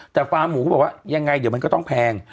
แต่ฟาร์หมูเขาบอกว่ายังไงเดี๋ยวมันก็ต้องแพง